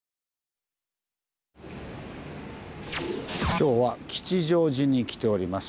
今日は吉祥寺に来ております。